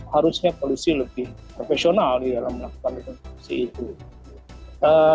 harusnya polisi lebih profesional di dalam melakukan rekonstruksi itu